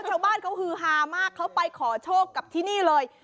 ชาวบ้านเขาฮือฮามากเขาไปขอโชคกับที่นี่เลย